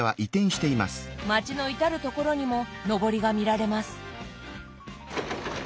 町の至る所にものぼりが見られます。